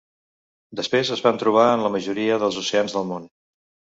Després es van trobar en la majoria dels oceans del món.